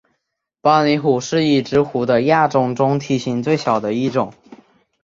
巴厘虎是已知虎的亚种中体型最小的一种。